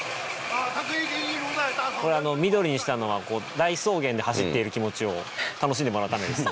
これ緑にしたのは大草原で走っている気持ちを楽しんでもらうためですと。